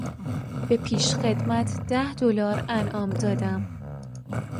به پیشخدمت ده دلار انعام دادم.